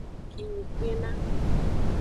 Kinyi kpena.